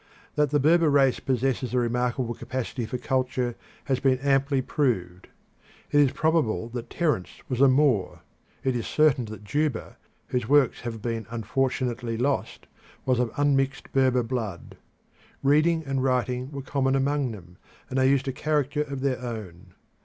That the Berber race possesses a remarkable capacity for culture has been amply proved. It is probable that Terence was a Moor. It is certain that Juba, whose works have been unfortunately lost, was of unmixed Berber blood. Reading and writing were common among them, and they used a character of their own.